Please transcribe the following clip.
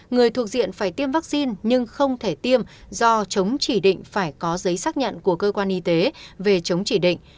người thuộc diện phải tiêm vaccine nhưng không thể tiêm do chống chỉ định phải có giấy xác nhận của cơ quan y tế về chống chỉ định